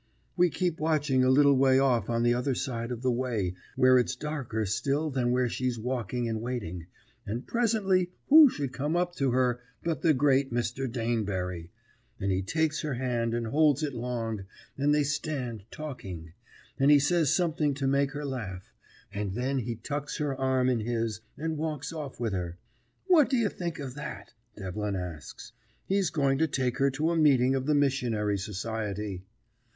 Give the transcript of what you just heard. We keep watching a little way off on the other side of the way, where it's darker still than where she's walking and waiting, and presently who should come up to her but the great Mr. Danebury; and he takes her hand and holds it long, and they stand talking, and he says something to make her laugh, and then he tucks her arm in his, and walks off with her. "What do you think of that?" Devlin asks. "He's going to take her to a meeting of the missionary society."